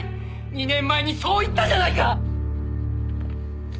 ２年前にそう言ったじゃないか！